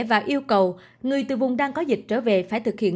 và yêu cầu người từ vùng đang có dịch trở về phải thực hiện năm k